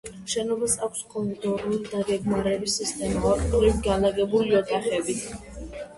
შენობას აქვს კორიდორული დაგეგმარების სისტემა ორმხრივად განლაგებული ოთახებით.